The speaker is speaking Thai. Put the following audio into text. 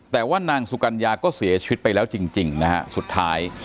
แต่ว่านางสุกัญญาก็เสียชีวิตไปแล้วจริงนะฮะสุดท้าย